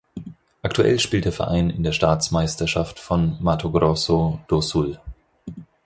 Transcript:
Aktuell spielt der Verein in der Staatsmeisterschaft von Mato Grosso do Sul.